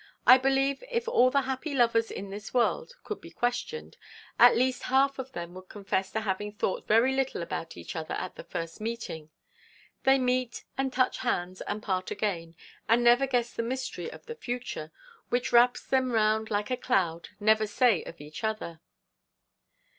'I believe if all the happy lovers in this world could be questioned, at least half of them would confess to having thought very little about each other at first meeting. They meet, and touch hands, and part again, and never guess the mystery of the future, which wraps them round like a cloud, never say of each other.